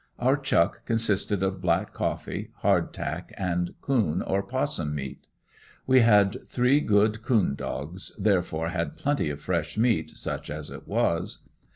Our chuck consisted of black coffee, hard tack and coon or 'possum meat. We had three good coon dogs, therefore had plenty of fresh meat such as it was.